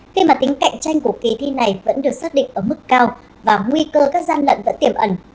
khi mà tính cạnh tranh của kỳ thi này vẫn được xác định ở mức cao và nguy cơ các gian lận vẫn tiềm ẩn